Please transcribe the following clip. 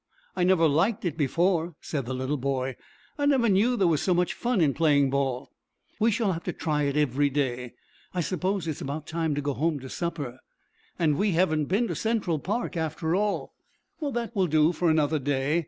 "I never liked it before," said the little boy. "I never knew there was so much fun in playing ball." "We shall have to try it every day. I suppose it is about time to go home to supper." "And we haven't been to Central Park, after all." "That will do for another day.